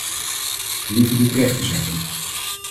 Gelieve dit recht te zetten.